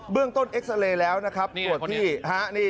เรื่องต้นเอ็กซาเรย์แล้วนะครับตรวจที่ฮะ